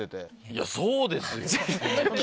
いや、そうですよ。